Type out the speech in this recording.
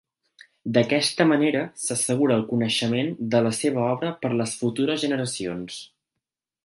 D'aquesta manera s'assegura el coneixement de la seva obra per les futures generacions.